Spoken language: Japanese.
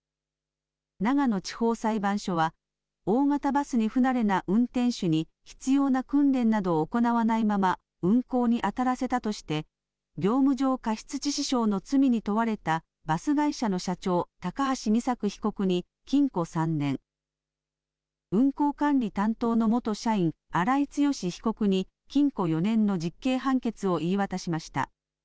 長野地方裁判所は、大型バスに不慣れな運転手に必要な訓練などを行わないまま運行に当たらせたとして、業務上過失致死傷の罪に問われたバス会社の社長、高橋美作被告に禁錮３年、運行管理担当の元社員、荒井強被告に禁錮４年の実刑判決を言い渡しました。